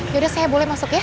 yaudah saya boleh masuk ya